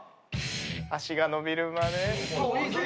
脚が伸びるまで。